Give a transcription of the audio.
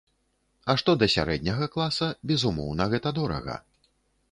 А што да сярэдняга класа, безумоўна, гэта дорага.